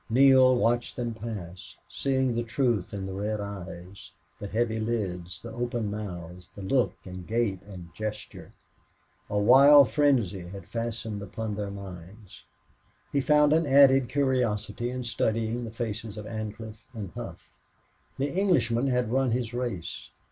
Neale watched them pass, seeing the truth in the red eyes, the heavy lids, the open mouths, the look and gait and gesture. A wild frenzy had fastened upon their minds. He found an added curiosity in studying the faces of Ancliffe and Hough. The Englishman had run his race.